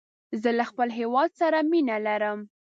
زه له خپل هېواد سره مینه لرم